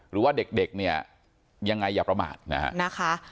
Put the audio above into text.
หรือว่าเด็กเนี่ยยังไงอย่าประมาทนะฮะ